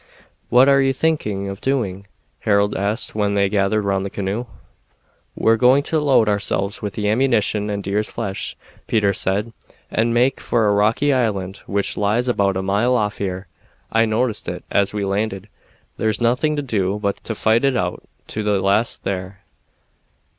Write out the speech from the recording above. "What are you thinking of doing?" Harold asked when they gathered round the canoe. "We're going to load ourselves with the ammunition and deer's flesh," Peter said, "and make for a rocky island which lies about a mile off here. I noticed it as we landed. There's nothing to do but to fight it out to the last there.